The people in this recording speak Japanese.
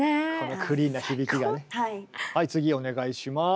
はい次お願いします。